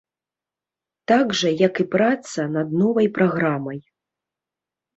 Так жа, як і праца над новай праграмай.